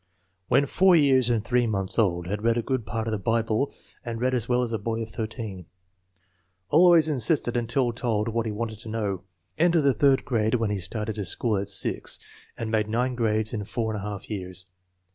"When 4 years and 3 months old had read a good part of the Bible and read as well as a boy of thirteen." Al ways insisted until told what he wanted to know. En tered the third grade when he started to school at 6, and made nine grades in four and a half years.